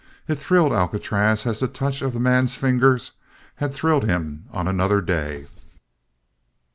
It thrilled Alcatraz as the touch of the man's fingers had thrilled him on another day.